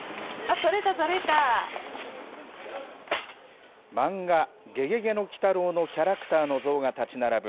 撮れた、漫画、ゲゲゲの鬼太郎のキャラクターの像が立ち並ぶ